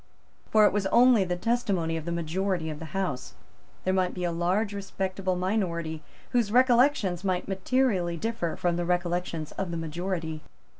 For it was only the testimony of the majority of the House. There might be a large respectable minority whose recollections might materially differ from the recollections of the majority.